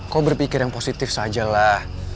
kok berpikir yang positif saja lah